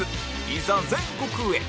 いざ全国へ